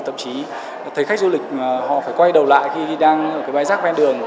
tập trí thấy khách du lịch họ phải quay đầu lại khi đang ở cái bãi giác bên đường